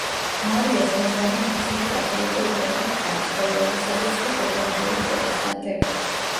მარიას უამრავი ინგლისელი კათოლიკე უჭერდა მხარს ხოლო ელისაბედს კი შოტლანდიელი პროტესტანტები.